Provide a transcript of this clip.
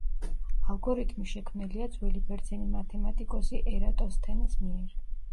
ალგორითმი შექმნილია ძველი ბერძენი მათემატიკოსი ერატოსთენეს მიერ.